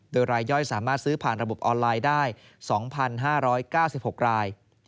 โดยรายย่อยสามารถซื้อผ่านระบบออนไลน์ได้๒๕๙๖ราย